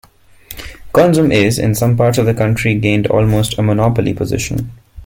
Konzum is, in some parts of the country, gained almost a monopoly position.